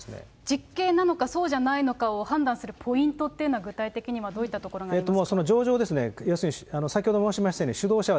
実刑なのかそうじゃないのかを判断するポイントっていうのは具体的にはどういったところになりますか。